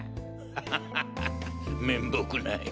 ハハハ面目ない。